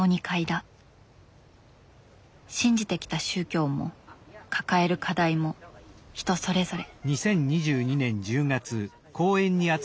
信じてきた宗教も抱える課題も人それぞれ。